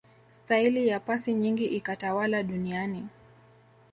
staili ya pasi nyingi ikatawala duniani